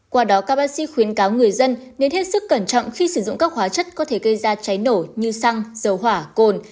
qua đó các bác sĩ khuyến cáo người dân nên hết sức cẩn trọng khi sử dụng các hóa chất có thể gây ra cháy nổ như xăng dầu hỏa cồn